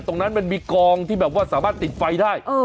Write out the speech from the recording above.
ตรงนั้นมันมีกองที่แบบว่าสามารถติดไฟได้เออ